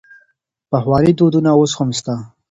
پخواني دودونه اوس هم سته.